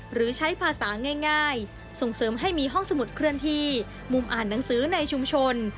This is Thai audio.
หรือใช้ภาษาง่ายส่งเสริมให้มีห้องสมุดเคลื่อนที่มุมอ่านหนังสือในชุมชน